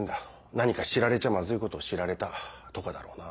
何か知られちゃマズいことを知られたとかだろうな。